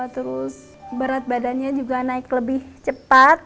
terus berat badannya juga naik lebih cepat